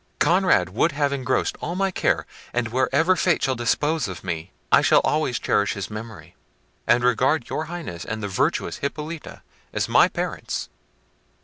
Conrad would have engrossed all my care; and wherever fate shall dispose of me, I shall always cherish his memory, and regard your Highness and the virtuous Hippolita as my parents."